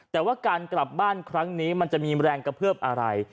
แต่ว่าการกลับบ้านครั้งนี้มันจะมีแรงกระเพื่ออะไร